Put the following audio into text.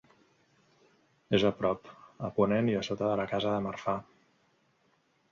És a prop, a ponent i a sota de la casa de Marfà.